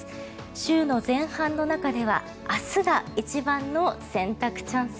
週の前半の中では明日が一番の洗濯チャンス。